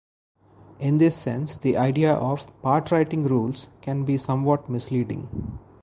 In this sense, the idea of "part-writing rules" can be somewhat misleading.